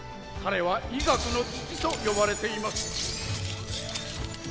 彼は医学の父と呼ばれています。